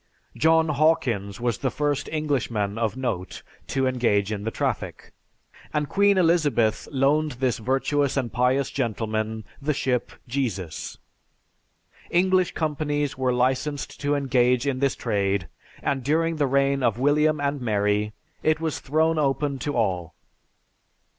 John Hawkins was the first Englishman of note to engage in the traffic, and Queen Elizabeth loaned this virtuous and pious gentleman the ship Jesus. English companies were licensed to engage in this trade and during the reign of William and Mary it was thrown open to all.